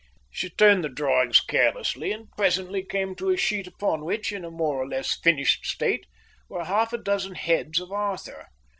She turned the drawings carelessly and presently came to a sheet upon which, in a more or less finished state, were half a dozen heads of Arthur.